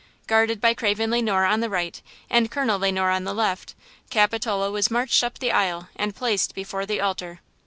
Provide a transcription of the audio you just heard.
Guarded by Craven Le Noir on the right and Colonel Le Noir on the left, Capitola was marched up the aisle and placed before the altar.